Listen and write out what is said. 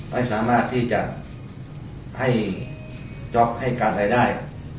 ไม่สามารถที่จะให้จ๊อปให้การอะไรได้